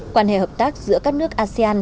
quan hệ hợp tác giữa các nước asean